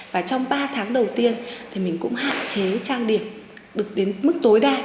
và trong ba tháng đầu tiên thì mình cũng hạn chế trang điểm được đến mức tối đa